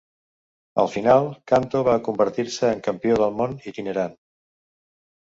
Al final Canto va convertir-se en campió del món itinerant.